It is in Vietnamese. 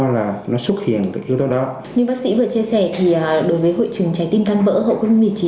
là cái hội chứng trái tim tan vỡ này